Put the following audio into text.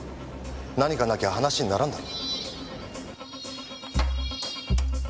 何かなきゃ話にならんだろ。